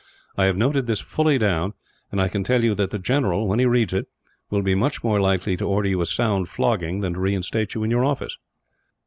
I have noted this fully down, and I can tell you that the general, when he reads it, will be much more likely to order you a sound flogging, than to reinstate you in your office."